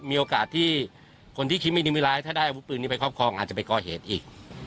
มีโอกาสที่คนที่คิดไม่นิมิร้ายถ้าได้อาวุธปืนนี้ไปครอบครองอาจจะไปก่อเหตุอีก